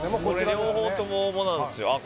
両方とも大物なんですよああ